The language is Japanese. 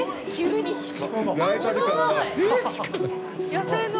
野生の。